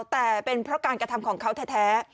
แต่เป็นเพราะการกระทำของเขาแท้